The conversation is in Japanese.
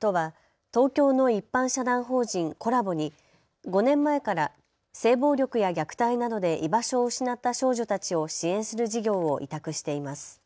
都は東京の一般社団法人Ｃｏｌａｂｏに５年前から性暴力や虐待などで居場所を失った少女たちを支援する事業を委託しています。